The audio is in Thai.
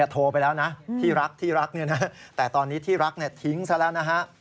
โทรไปแล้วนะที่รักที่รักแต่ตอนนี้ที่รักทิ้งซะแล้วนะฮะ